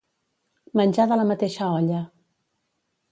Menjar de la mateixa olla.